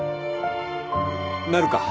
なるか。